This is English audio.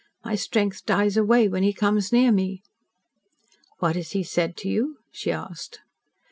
My strength dies away when he comes near me." "What has he said to you?" she asked.